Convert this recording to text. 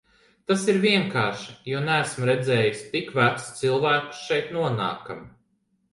Tas ir vienkārši, jo neesmu redzējusi tik vecus cilvēkus šeit nonākam.